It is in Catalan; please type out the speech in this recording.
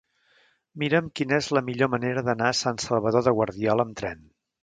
Mira'm quina és la millor manera d'anar a Sant Salvador de Guardiola amb tren.